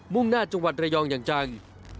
่งหน้าจังหวัดระยองอย่างจัง